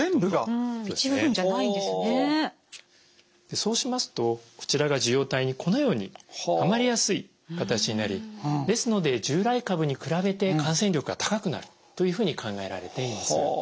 そうしますとこちらが受容体にこのようにはまりやすい形になりですので従来株に比べて感染力が高くなるというふうに考えられています。